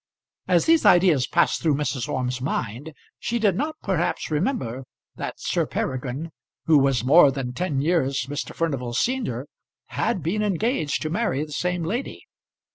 As these ideas passed through Mrs. Orme's mind she did not perhaps remember that Sir Peregrine, who was more than ten years Mr. Furnival's senior, had been engaged to marry the same lady.